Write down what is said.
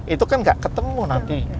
itu kan gak ketemu nanti